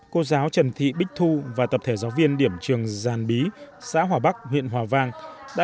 cô giáo trần thị bích thu và tập thể giáo viên điểm trường giàn bí xã hòa bắc huyện hòa vang đã